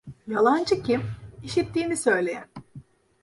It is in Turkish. Yalancı kim? İşittiğini söyleyen.